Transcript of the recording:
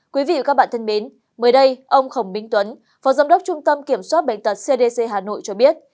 quý vị và các bạn thân mến mới đây ông khổng minh tuấn phó giám đốc trung tâm kiểm soát bệnh tật cdc hà nội cho biết